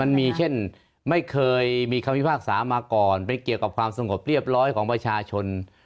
มันมีเช่นไม่เคยมีคำพิพากษามาก่อนไปเกี่ยวกับความสงบเรียบร้อยของประชาชน